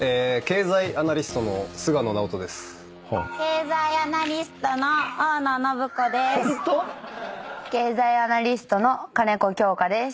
経済アナリストの金子京佳です。